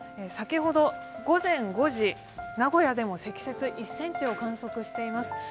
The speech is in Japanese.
先ほど午前５時、名古屋でも積雪１ｃｍを観測しています。